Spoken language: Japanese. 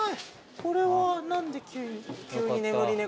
これは何で急に眠り猫？